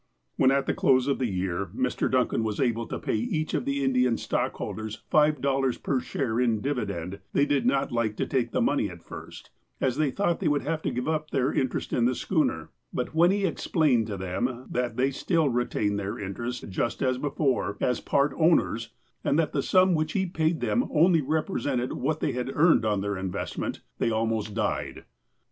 When, at the close of the year, Mr. Duncan was able to TEMPORAL ADVANCEMENT 179 pay each of the Indian stockholders five dollars per share in dividend, they did not like to take the money at first, as they thought they would then have to give up their interest in the schooner ; but when he explained to them that they still retained their interest, just as before, as part owners, and that the sum which he paid them only represented what they had earned on their investment, they almost "died."